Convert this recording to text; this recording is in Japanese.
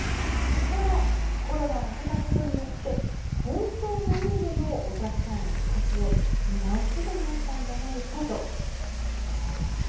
ただ、コロナを経たことによって本当の意味でのお客さんへの価値を見直すことになったんじゃないかとおっしゃっています。